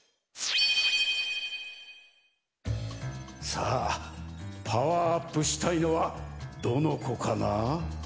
さあパワーアップしたいのはどのこかな？